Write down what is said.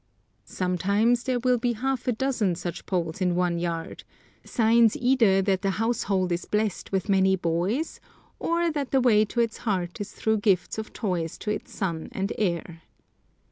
Sometimes there will be half a dozen such poles in one yard, signs either that the household is blessed with many boys, or that the way to its heart is through gifts of toys to its son and heir.